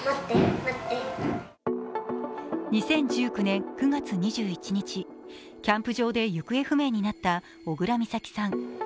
２０１９年９月２１日、キャンプ場で行方不明になった小倉美咲さん。